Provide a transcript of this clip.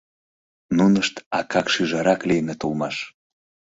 Нунышт акак-шӱжарак лийыныт улмаш.